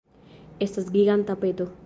Estas giganta peto